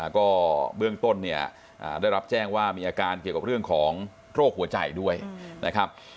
ก็เบื้องต้นเนี่ยได้รับแจ้งว่ามีอาการเกี่ยวกับเรื่องของโรคหัวใจด้วยนะครับ